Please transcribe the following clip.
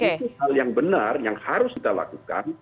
itu hal yang benar yang harus kita lakukan